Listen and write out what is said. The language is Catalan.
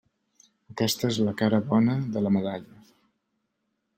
Aquesta és la cara bona de la medalla.